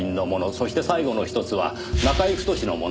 そして最後のひとつは中居太のものでした。